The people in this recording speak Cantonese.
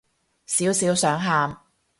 少少想喊